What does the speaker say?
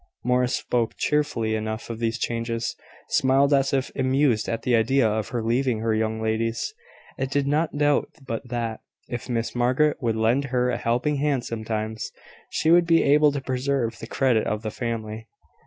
Morris spoke cheerfully enough of these changes, smiled as if amused at the idea of her leaving her young ladies; and did not doubt but that, if Miss Margaret would lend her a helping hand sometimes, she should be able to preserve the credit of the family.